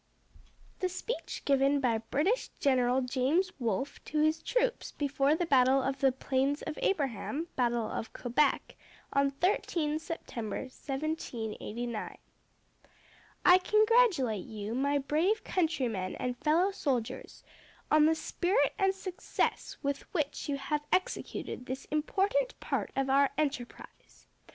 The speech given by British General James Wolfe to his troops before the battle of the Plains of Abraham (battle of Quebec) on 13 September 1759. 26700Battle of the Plains of Abraham Speech1759James Wolfe I congratulate you, my brave countrymen and fellow soldiers, on the spirit and success with which you have executed this important part of our enterprise.